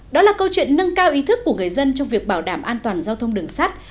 đó là câu chuyện nâng cao ý thức của người dân trong việc bảo đảm an toàn giao thông đường sắt